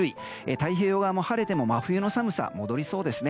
太平洋側も、晴れても真冬の寒さが戻りそうです。